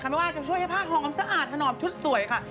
ไม่ว่าจะช่วยให้ผ้าหอมสะอาดถนอมชุดสวยค่ะ